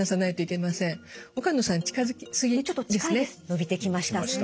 伸びてきました。